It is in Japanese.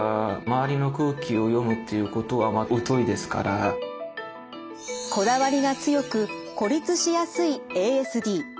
今日はこだわりが強く孤立しやすいＡＳＤ。